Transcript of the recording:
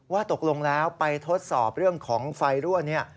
ว่าตกลงแล้วไปทดสอบเรื่องของไฟรั่วนี้